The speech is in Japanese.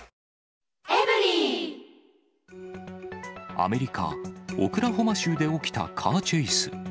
アメリカ・オクラホマ州で起きたカーチェイス。